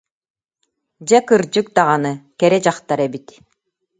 Дьэ, кырдьык даҕаны, кэрэ дьахтар эбит